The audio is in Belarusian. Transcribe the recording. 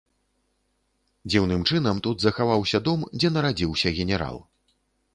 Дзіўным чынам тут захаваўся дом, дзе нарадзіўся генерал.